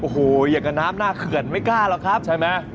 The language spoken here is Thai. โอ้โหอย่างกับน้ำหน้าเขื่อนไม่กล้าหรอกครับใช่ไหม